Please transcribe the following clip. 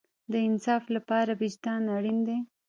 د انصاف لپاره وجدان اړین دی